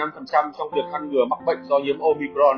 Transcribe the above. trong việc khăn ngừa mắc bệnh do nhiễm omicron